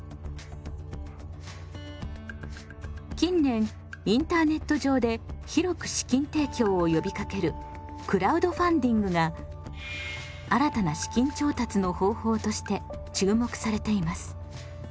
近年インターネット上で広く資金提供を呼びかけるクラウドファンディングが新たな資金調達の方法として注目されています。